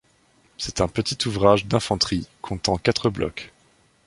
C'est un petit ouvrage d'infanterie, comptant quatre blocs.